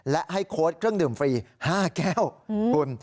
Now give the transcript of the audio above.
และให้โค้ดเครื่องดื่มฟรี๕แก้วคุณ